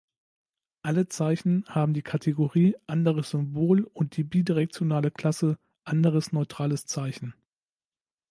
Alle Zeichen haben die Kategorie „Anderes Symbol“ und die bidirektionale Klasse „Anderes neutrales Zeichen“.